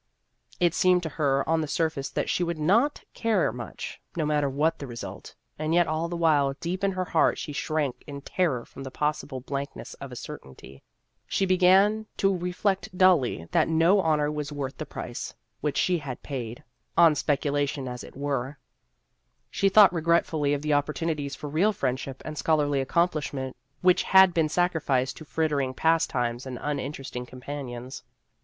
It seemed to her on the surface that she would not care much, no matter what the result ; and yet all the while, deep in her heart, she shrank in terror from the possi ble blankness of a certainty. She began to reflect dully that no honor was worth the price which she had paid on specula 52 Vassar Studies tion, as it were. She thought regretfully of the opportunities for real friendship and scholarly accomplishment which had been sacrificed to frittering pastimes and uninteresting companions.